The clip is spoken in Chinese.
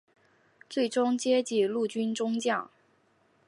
最终阶级陆军中将。